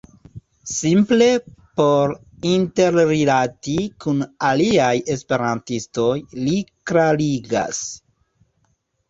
Simple por interrilati kun aliaj esperantistoj, li klarigas.